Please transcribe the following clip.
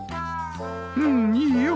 うんいいよ。